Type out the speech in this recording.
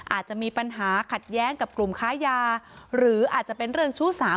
อาจจะมีปัญหาขัดแย้งกับกลุ่มค้ายาหรืออาจจะเป็นเรื่องชู้สาว